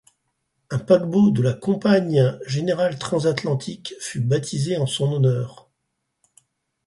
Un paquebot de la Compagne générale transatlantique fut baptisé en son honneur.